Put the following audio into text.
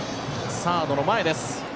サードの前です。